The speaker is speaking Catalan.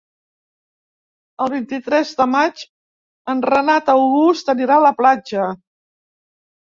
El vint-i-tres de maig en Renat August anirà a la platja.